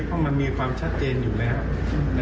เพราะมันมีความชัดเจนอยู่แล้ว